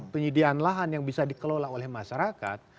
penyediaan lahan yang bisa dikelola oleh masyarakat